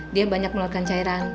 dia banyak mengeluarkan cairan